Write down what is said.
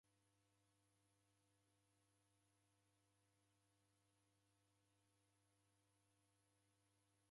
Bonya kazi eri kuvikie ndodo yako.